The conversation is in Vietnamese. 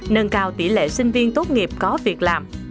nâng cao tỷ lệ sinh viên tốt nghiệp có việc làm